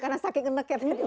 karena saking enek ya